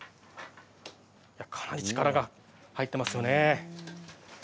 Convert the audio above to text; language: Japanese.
かなり力が入っていますね。